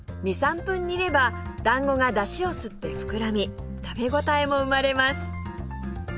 ２３分煮れば団子がだしを吸って膨らみ食べ応えも生まれます